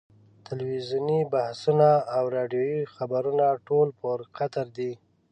تلویزیوني بحثونه او راډیویي خبرونه ټول پر قطر دي.